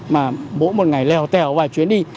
mà mỗi một ngày lèo tèo vài chuyến đi